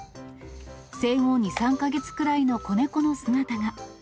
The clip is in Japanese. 生後２、３か月ぐらいの子猫の姿が。